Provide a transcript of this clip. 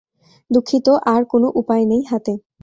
দুঃখিত, আর কোন উপায় নেই হাতে।